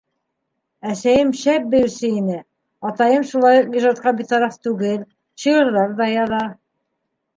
Әсәйем шәп бейеүсе ине, атайым шулай уҡ ижадҡа битараф түгел, шиғырҙар ҙа яҙа.